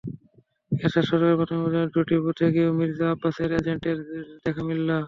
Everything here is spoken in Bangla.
এরশাদ সরকারি প্রাথমিক বিদ্যালয়ের দুটি বুথে গিয়েও মির্জা আব্বাসের এজেন্টদের দেখা মিলল।